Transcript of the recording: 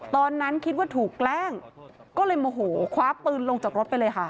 ตอนนั้นคิดว่าถูกแกล้งก็เลยโมโหคว้าปืนลงจากรถไปเลยค่ะ